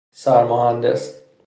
سر مهندس